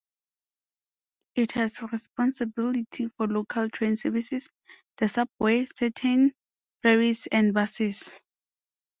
It has responsibility for local train services, the Subway, certain ferries and buses.